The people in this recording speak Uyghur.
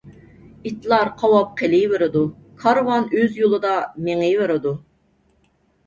ئىتلار قاۋاپ قېلىۋېرىدۇ، كارۋان ئۆز يولىدا مېڭىۋېرىدۇ.